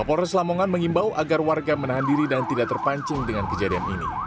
kapolres lamongan mengimbau agar warga menahan diri dan tidak terpancing dengan kejadian ini